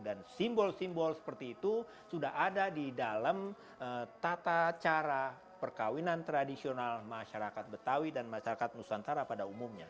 dan simbol simbol seperti itu sudah ada di dalam tata cara perkawinan tradisional masyarakat betawi dan masyarakat nusantara pada umumnya